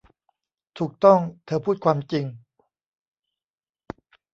ถูกต้อง เธอพูดความจริง